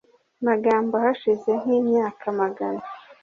magambo Hashize nk imyaka magana